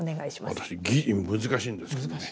私「ぎ」難しいんですけどね。